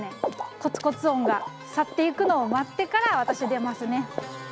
コツコツ音が去っていくのを待ってから私出ますね。